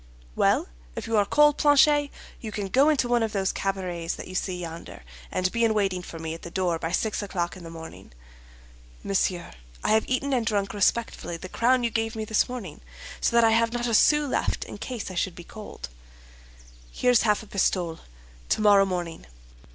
"Well, if you are cold, Planchet, you can go into one of those cabarets that you see yonder, and be in waiting for me at the door by six o'clock in the morning." "Monsieur, I have eaten and drunk respectfully the crown you gave me this morning, so that I have not a sou left in case I should be cold." "Here's half a pistole. Tomorrow morning."